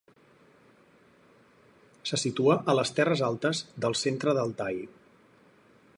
Se situa a les terres altes del centre d'Altai.